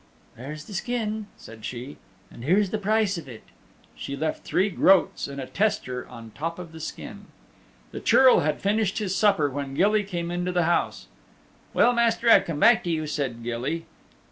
"There's the skin," said she, "and here's the price of it." She left three groats and a tester on top of the skin. The Churl had finished his supper when Gilly came into the house. "Well, Master, I've come back to you," said Gilly.